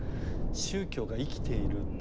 宗教が生きているって。